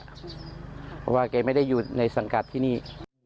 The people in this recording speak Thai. เพราะว่าแกไม่ได้อยู่ในสังกัดที่นี่